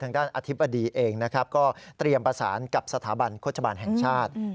ด้านอธิบดีเองนะครับก็เตรียมประสานกับสถาบันโฆษบาลแห่งชาติ